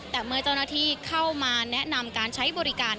แต่เมื่อเจ้าหน้าที่เข้ามาแนะนำการใช้บริการ